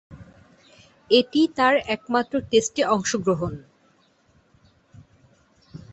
এটিই তার একমাত্র টেস্টে অংশগ্রহণ।